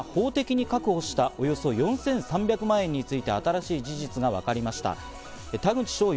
町が法的に確保した、およそ４３００万円について新しい事実がわかりました。